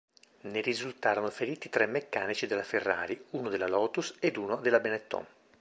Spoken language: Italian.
Ne risultarono feriti tre meccanici della Ferrari, uno della Lotus ed uno della Benetton.